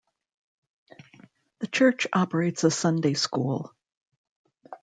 The church operates a Sunday school.